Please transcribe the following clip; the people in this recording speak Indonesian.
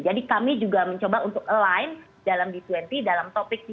jadi kami juga mencoba untuk align dalam g dua puluh dalam topik g dua puluh